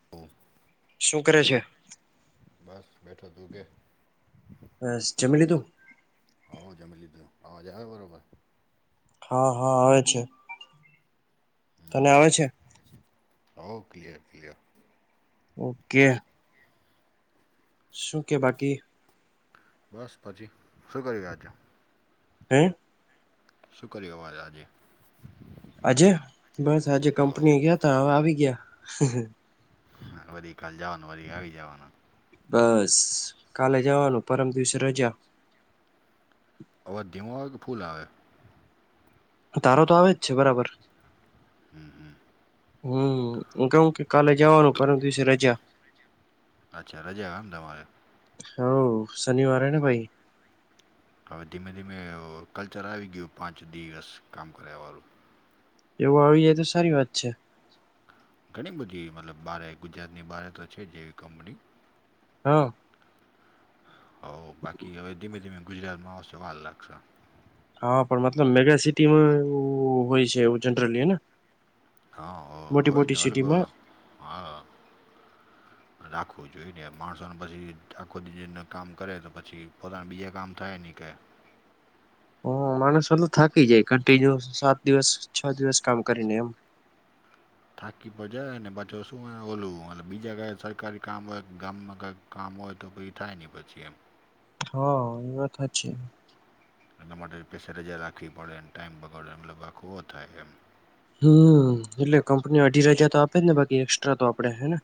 [unintelligible] શું કરે છે? બસ બેઠો તો તુ કે બસ જમી લીધું? હઓ જમી લીધું અવાજ આવે બરોબર હા હા આવે છે, તને આવે છે? હા ક્લીયર લી ઓકે શું કે બાકી બસ પછી શૂ કરી ગયા છો. હમ્મ [unintelligible] આજે બસ આજે કંપની ગયા તા આવે આવી ગયા. હા વરી કાલ જવાનું વ આવી જવાનુ બસ કાલે જવાનું પરમ દિવસે રજા. અવાજ ધીમો આવે છે, કે ફૂલ આવે છે. તારો તો આવે જ છે, બરાબર હમ્મ હમ્મ હમ હું કઉ કે કાલે જવાનું પરમ દિવસે રજા. અચ્છા રજા એમ તમારે હઉ શનિવાર છેને, ભાઈ હવે ધીમે ધીમે કલ્ચર આવી ગયું પાંચ દિવસ કામ કરવા વાળુ એવું આવી જાય તો સારી વાત છે. ઘણી બધી મતલબ બારે ગુજરાતની બારે તો છે, જ એવી કંપની હા. હ બાકી હવે ધીમે ધીમે ગુજરાતમાં આવશે વાર લાગશે હા પણ મતલબ મેગાસિટીમાં એવુ હોય છે, એવું જનરલી હને હા હોયે દાળ મા સિટીમાં હા રાખવું જોઈએ ને માણસોને પછી આખો દી કામ કરે તો પછી પોતાના બીજા કામ થાય નહી કે હ માણસ ઓલો થાકી જાય કન્ટિન્યુ સાત દિવસ છ દિવસ કામ કરીને એમ થાકી પર જાય ને પાછુ શુ ઓલું બીજા કઈ સરકારી કામ હોય, ગામમાં કઈક કામ હોય તો પછી થાય નહી, પછી એમ હા, એ વાત સાચી એના માટે સ્પેશિયલ રજા રાખવી પડે અને ટાઈમ બગાડવો પડે હમ એટલે કંપની અડધી રજા તો આપે જ ને બાકી એક્સ્ટ્રા તો આપડે હેને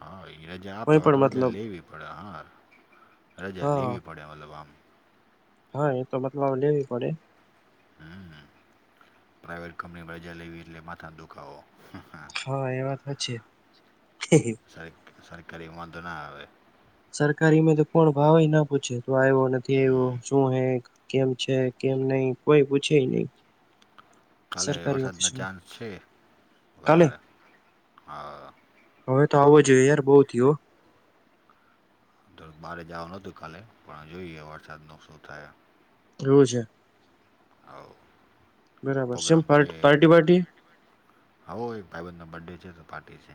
હા એ રજા આપે કોઈ હોય, પણ તો રજા મતલબ લેવી પડે હા રજા હા લેવી પડે મતલબ આમ હા એ તો બતલાવ લેવી પડે હમ પ્રાાઈવેટ કંપનીમાં રજા લેવી એટલે માથાનો દુખાવો. હા એ વાત છે. હા હા સાહેબ સરકારીમાં વાંધો ના આવે સરકારીમાં તો કોઈ ભાવ પણ ના પૂછે તું આવ્યો નથી આવ્યો શું છે. કેમ છે કેમ નહીં કોઈ પૂછેય નહી કાલે સરકારી વરસાદનો ઓફિસમાં ચાન્સ છે, કાલે વધારે હા હવે તો આવો જોઈએ યાર બહુ થયુ હો. બહાર જવાનું હતુ કાલે પણ જોઈએ હવે વરસાદનું શું થાય. એવુ છે. આવ બરાબર છેમ, પાર પાર્ટી પાર્ટ આવો એક ભાઇબંધ ની બર્થ ડે છે, તો પાર્ટી છે.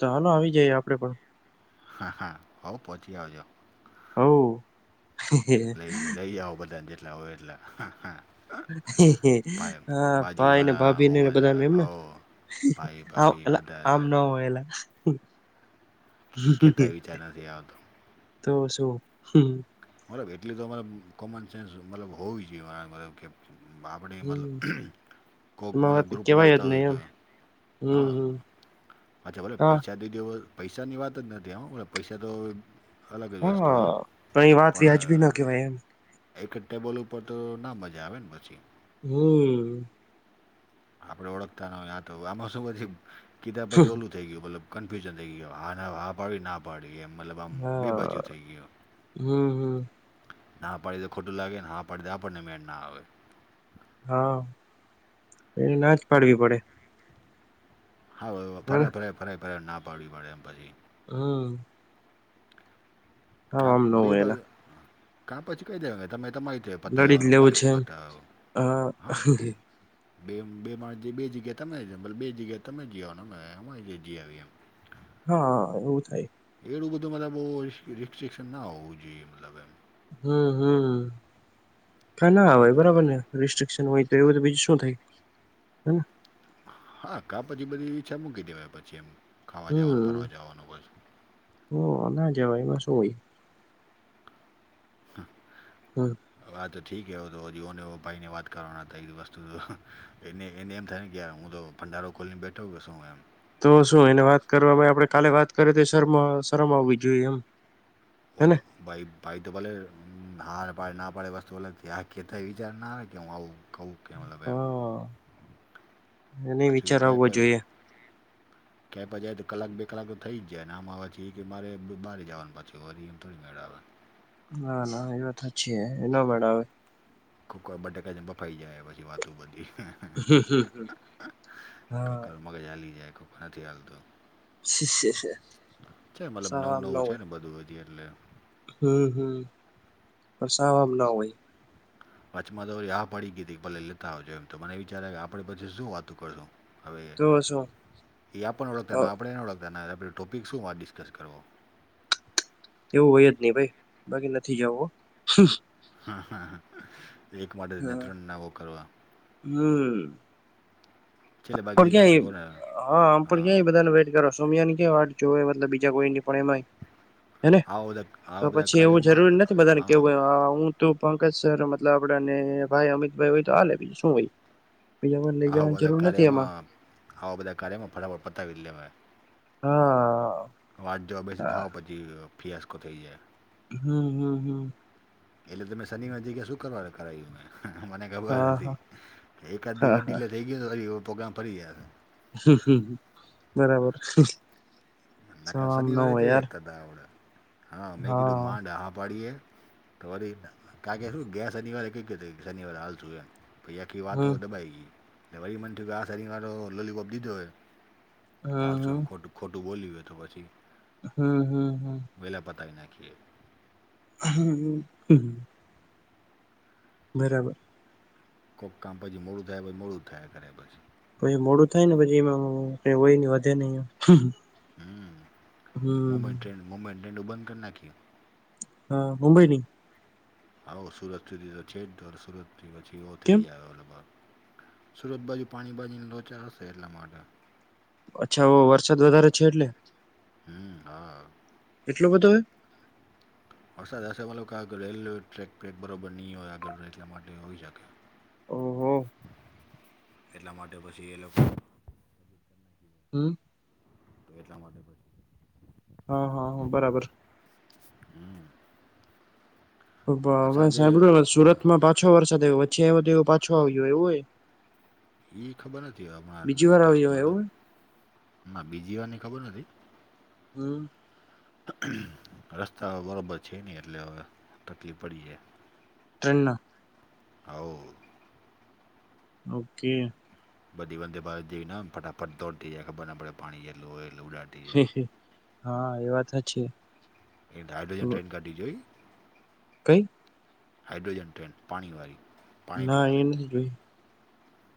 તો હાલો આવી જઈએ, આપડે પણ હા હા હવ પછી આવજો હવ લઈ આવો બધાને જેટલા હોય, એટલા હા હા. ભાઈ હા, ભાઈને બાજુવાળા ભાભી હો ને બધા એમ ને હો ભાઈ ભાભી આમ બધા ના હોય એલા કહેતાંય વિચાર નથી આવતો તો શું મતલબ એટલી તો મતલબ કોમન સેન્સ મતલબ હોવી જોઈએ મતલબ કે. બા આપણે મતલબ કોક એમાં મતલબ વાત ગ્રુપમાં કેવાય જાતા જ હોય નહી તો એમ હમ હા હમ અચ્છા ભલે હા પૈસા દઈ દેવ પૈસાની વાત જ નથી આ બ પૈસા તો અલગ જ વસ્તુ છે. હા પણ એ વાત વ્યાજબી ના કહેવાય એમ એક ટેબલ ઉપર તો ના મજા આવે ને પછી. હમ્મ. આપડે ઓળખતા ન યા તો આમાં શું પછી કિતાબ પછી ઓલું ઈ ગય મતલબ કન્ફ્યુઝન થઈ ગ હા હા પાડી ના. ઉપાડી મતલબ આમ બે હા બાજુ થઈ ગયો. હમ હમ ના પાડીને તો ખોટું લાગે ને હા પાડી તો આપણને મેળ ના આવે. હા ના જ પાડવી પડે. હા હેને ફરે ફરે ફરે ફરે ના પાડડીવી પડે એમ પછી. હમ્મ. કા આમ ન બે હોય બાજ એલા કા પછી કઈ દેવા તમે તમારી પતા લડી જ આવનું લેવું મારી છે રીતે એમ પતાયો હા. બે બે માણ બે જગ્યા તમે જ બે જગ્યા તમે જીવા ને અ જી આવી એમ. હા એવું થાય. એડું બધું મતલબ બ રિસ્ટ્રિક્શન ના હોવું જોઈએ મતલબ એમ. હમ્મ હમ્મ કા ના એ આવેય બધું કા બરાબર ને! રિસ્ટ્રિકશન હોય તો એવું બીજું શું થાય હ. હા કા પછી બધી ઈચ્છા મૂકી દેવાય પછી એમ ખાવા જવાનું ફરવા જવાનું. ઓ ના જવાય એમાં શું હોય. હ હમ હવે આ તો ઠીક હવે તો હજીવને ભાઈને વાત કરવાના હતા એ વસ્તુ એને એને એમ થાય ને કે હું તો ભંડારો ખોલીની બેઠો બેસું એમ. તો શું એને વાત કરવાવામાં આપડણે કાલે વાત કરીએ તો શમ શરમ આવવી જોઈએ એમ. હેને ઓલો ભાઈ ભાઈ તો ભલે હાર પાડે ના પાડે વસ્તુ ત આ કેહેતા વિચાર ના આવે હુ‌ આવું. કવું કે મતલબ એમ હા એને પાછું વિચાર કે આવવો પડને. જોઈએ કપ જાય તો કલાક બે કલાક તો થઈ જાય ને આમ આવ પછ એ કે મારે બહાર જવાનું પાછી વરી એમ થોડી મેળ આવે. ના ના એ વાત સાચી હ એ ના મેળ આવે. ખ બટકા જ બફાઈ જાય પછી વાતો બધી. કોક હા વાર મગજ હલી જાય કોખ નથી હાલતો. છે મતલબ સાવ નવું નવું છે ને બધું હજી એટલે. હમ્મ હમ્મ પણ સાવ એમ ના હોય. પાચમાં તોરી આ પડી ગઈ હતી કે ભલે લેતા આવજો એમ તો મને વિચારે કે આપડે પછી શું વાતું કરશું. હવે તો શું એ આપણને ઓળખતા આપણે એને ઓળખતાના આપણે ટોપિક શું વા ડિસ્કસ કરવો‌. એવું હોય જ નહી ભાઈ બાકી નથી જવું. એક માટે ને ત્રણ નાવો કરવા. હમ્મ. છેલ્લે બાકી વાતો ક્યાં કરો ને હા આમ પણ ક્યાં બધાને વેટ કરો. સોમિયા ની કે જો મતલબ બીજા કોઈ ની પણ એય. હેને આવા બધા તો આવા બધા પછી એવું કાર્યમાં જરૂરી નથી બધાને હા કેવું હું. તું પંકજ સર મતલબ આપડને ભાઈ અમિતભાઈ હોય તો આ લે બીજું શું હોય. બીજા કોઈને લઈ હવા જવાની બધા જરૂર નથી એમાં કાર્યમાં હવા બધા કાર્યમાં ફટાફટ પતાવી લેવા. હા વાજ જો બેસી હા થાવ પછી ફિયાઆસકો થઈ જાય. હમ, હમ, હમ. એટલે તમે શનિવાર જ કેયા, શુક્રવારે કરાવા મે? ખબર નથી હા હા હતી કે એકાધી હા વડીલ થઇ ગયો, પ્રોગ્રામ ફરી ગયા છે. હ, બરાબર. ના, કે આમ ન શનિવારે હોય જઈ યાર શકતા હતા આપડે. હા, મેં કીધું, માંડી પાડીએ. તો વરી કા કે શું, ગયા શનિવારે કઈ કયું? શનિવારે હાલ થું એમ? ભાઈ, આખી વાતો હમ દબાઈ ગઈ અને વરી મન થયું કે આ સાવ લોલીપોપ દીધો. ચાલશું, હમ એમ ખોટું-ખોટું બોલ્યું હોય તો પછી. હમ, હમ, હમ. વેલા પતાવી નાખીએ. હમ, હ. બરાબર. કોઈક કામ પછી મોડું થાય, પછી મોડું થાય, ખરે પછી. પછી મોડું થાય ને, પછી એમાં ક હોય ને વધે નહીં? હ, મોબાઈલ ટ્રેન્ડ, મોબાઈલ ટ્રેન્ડ બંધ કરી નાખીએ. હા, મુંબઈ નહીં. હા, સુરત સુધી તો છે જ, તો સુરતથી પછી એવો થઈ કેમ જાય. સુરત બાજુ પાણી બાજુની લોચા હશે, એટલા માટે. અચ્છા, વરસાદ વધારે છે એટલે. હા. એટલો બધો હોય. વરસાદ હશે, વાલો ક આંક રેલવે ટ્રેક પ્રેક બરાબર નહીં હોય આગળ, એટલા માટે હોઈ શકે. ઓહ. એટલા માટે પછી એ લોકો. હમ. તો એટલા માટે પછી. હા, હા, હા, બરાબર. હમ. આ હવે સાંજે સાંભળ્યું સુરત હા માં પાછો વરસાદ આવ્યો, પછી એ પાછો આવી ગયો એવું હોય. એ ખબર નથી, હમણાં બીજી વાર આવ્યો લેટેસ્ટમાં તો એવું હ, બીજી વારની ખબર નથી. હમ. રસ્તા બરાબર છે નહીં, એટલે હવે તકલીફ પડી જાય. ટ્રેન. [unintelligible] ઓકે. બધી વંદે ભારત જઈને ફટાફટ દોડે જાય, ખબર ના પડે, પાણી જેટલું હો એ ઉડે. હા, એ વાત છે. બડી જોઈ. કંઈ? હાડ્રોજન, ટ્રેન પાણીવાળી. પાણીથી ના, હાલે એ નથી જોઈ.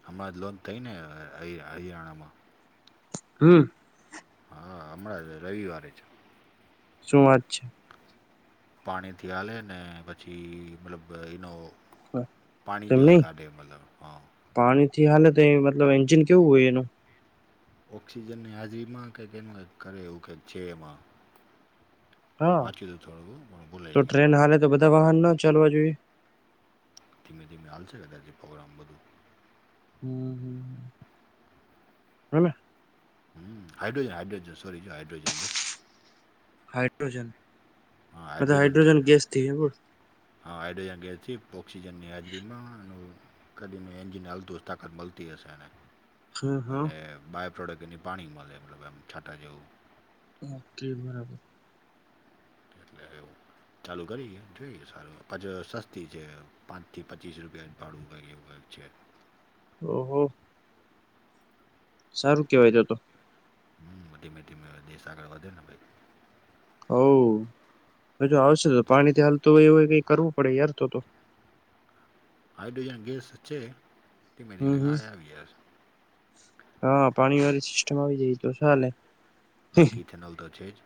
હમણાં લોન થઈ ને, હરિયાણામાં હમ. હા, હમણાં જ રવિવારે છે. શું વાત છે. પાણીથી હલે ને, પછી મતલબ એનો. પાણી તેમ જો નહી ગાડે, મતલબ, હા. પાણી થી હાલે તો મતલબ, એન્જિન કેવું હોય એનું? ઑક્સિજનની હાજરીમાં, કંક એનું કંક કરે એવું કક છે એમાં. હા, વાંચ્યું હતું થોડું પણ તો ભૂલાઈ ગયું ટ્રેન હાલે તો બધા વાહનના ચાલવા જોઈએ. ધીમે ધીમે હાલશે કદાચથી પ્રોગ્રામ બધું. હમ હમ. હમે. હમ હાડ્રોજન હાડ્રોજન સોરી જો હઇડ્રોજન જો. હાઇડ્રોજન. હા બધા હાઇડ્રોજન ટ્રેન હા ગેસ થી હ હાઇડ્રોજન ગચી ઓઑક્સિજનની હાજરીમાં એનું કરીને એન્જિન હાલતું તાકાત મળતી હશે એને. હા અને બાયો પ્રોડક્ટ એની પાણી મળે મલબ એમ છાંટા જેવું. ઓકે બરાબર. એવું. ચાલુ કરીએ જોઈએ સારુંછ સસ્તી છે પાંચ થી પચીસ રૂપિયા ભાડવું એવું છે. ઓહો. સારું કેવાય છે તો. હમ ધીમે ધીમે દેશ આગળ વધે ને ભાઈ. હ હ જો આવશે તો જે પાણી થી હાલ તો એવ કઈ કરવું પડે યાર તો તો. હાઇડ્રોજન ગેસ છે તે મેથી હમ મ [inaudible] ગ હમ આવી જ છે હા પાણી વાળી સિસ્ટમ આવી જાય તો ચાલે. બાકી થેનલ તો છેેજ.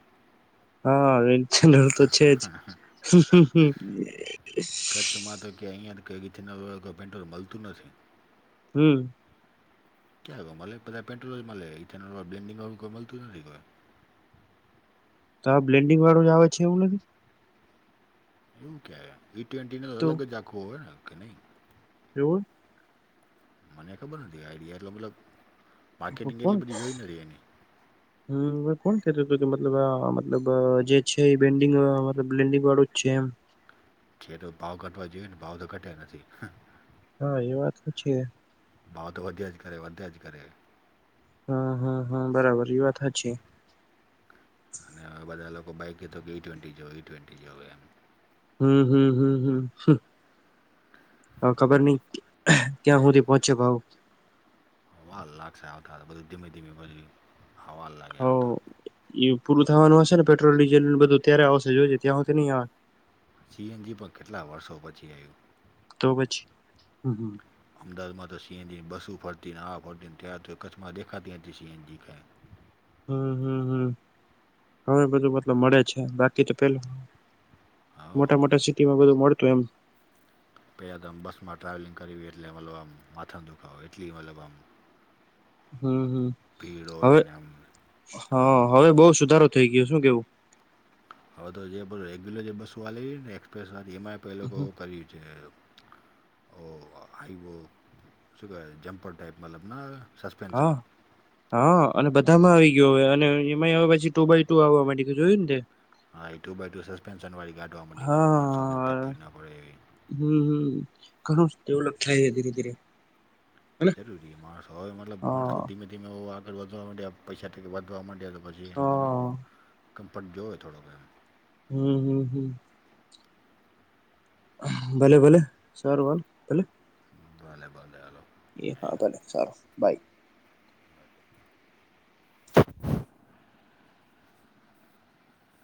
હા થેનલ તો છે જ. કચછમાં તો ક કે અહીંયા તો કી પેટોલ મળતું નથી. હમ. ક્યાંલે મટે બધે પેડ્રોલ માડે [inaudible] તો આ બ્લેન્ડિંગ વાળું આવે છે એવું હે. એવું ક્યાંય ઈ ટ્વેન્ટીને તો અલગ જ આખવો હોય ને કે નહીં. એવું. મને ખબર નથી આઈડિયા એટલો મતલબ માર્કેટિંગ કોણ એટલી બધી જોઈ નથી એની. [inaudible] હમ હવે કોણ કેતું કે મતલબ આ મતલબ જે છે બેનડિગ અ બેબેન્ડંગ વાળું છે એમ. જે તો ભાવ ઘટવા જોઈએ ને ભાવ તો ઘટયા નથી. હા એ વાત તો છે. ભાવ તો વધ્યા જ કરી વધ્યા જ કરે. હમ હમ હમ બરાબર ઇ વાત હાચી. અને હવે બધા લોકો બાઈક તો કે ઈ ટ્વેન્ટી જોએ ઈ ટ્વેન્ટી જોએ એમ. હમ હમ હમ હમ. હા ખબર નઈ ક્યાં હુધી પોચે ભાવ. હવાલ લાગશે આવતા બધું ધીમે ધીમે બજુ હવાલ હ લાગ્યા આવતા. એ પૂરું થવાનું હશે ને પેટ્રોલ ડીઝલ નું બધું ત્યારે આવશે જોઈજે ત્યાં હું તો નહીં આવે. જીએનજી પણ કેટલા વર્ષો પછી આવ્યું. તો પછી હમ હમ. અમદાવાદમાં તો સીએનજી ની બસું ફરતી આ ફરતી તાર તો કચ્છમાં દેખાતી હતી સીએનજી કયા. હમ હમ હમ હવે બધું મતલબ મળે છે બાકી તો પેલું હા મોટા મોટા સિટી માં બધું મળતું એમ. પહેલાં તો આમ બસમાં ટ્રાવેલિંગ કરવી એટલે મતલબ આમ માથા દુખાવો એટલી મતલબ આમ. હમ હમ ભીડ હોય હવે ને આમ હઉ હા હવે બઉ સુધારો થઈ ગયો શું કેવું. હવે તો જે બધ રેગ્યુલર જે બસો હાલેરી ને. પેસા ઈ એમઆઈ પેલા બઉ કેવું ભરી છે એમ. ઓ આઈવો શું કેવાય જંપર ટાઈપ મતલબ ના આવે. સસ્પેન્શન હા. હા અને બધામાં આવી ગયો અને એમઈ આવે પછી ટુ બાય ટુ આવા માંડી જોયું ને તે. હા એ ટુ બાય ટુ સસ્પેન્સન વાડી ગાડવા મડી ઓલા માણસો ને હા તકલીફ ના પડે. હમ હમ ઘણું ડેવલપ થાય છે ધીરે ધીરે. હેને જરૂરી માણસો હવે મતલબ હા માણસો ધીમે ધીમે આગળ વધવા માંડ્યા પૈસા વધવા માંડ્યા. પછી એ લોકોને હા કમ્ફટ જોવે થડો ઘ. હમ હમ હમ ભલે, ભલે સારું વાલ ભલે ભલે, ભલે હલો. એ હા, ભલે સારો બાય. [inaudible]